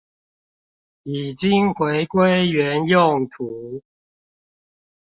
已經回歸原用途